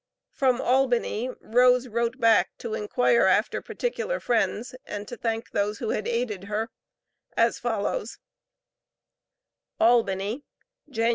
From Albany Rose wrote back to inquire after particular friends, and to thank those who had aided her as follows: ALBANY, Jan.